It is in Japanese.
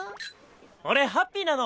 俺ハッピーなの！